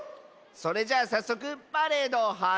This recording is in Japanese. それじゃあさっそくパレードをはじめよう！